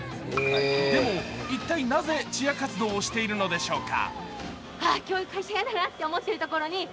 でも、一体なぜチア活動をしているのでしょうか。